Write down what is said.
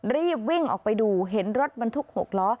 รีบวิ่งออกไปดูเห็นรถบรรทุก๖ล้อ